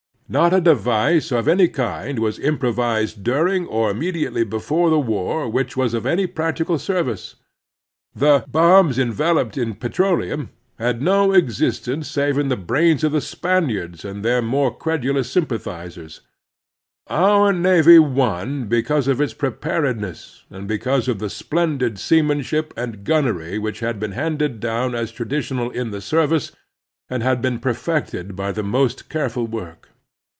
Not a device of any kind was improvised during or immediately before the war wHch was of any practical service. The " bombs Preparedness and Unpreparedness 163 enveloped in petrolexim" had no existence save in the brains of the Spaniards and their more credu lous sympathizers. Oiu* navy won because of its preparedness and because of the splendid seaman ship and gunnery which had been handed down as traditional in the service, and had been perfected by the most careful work.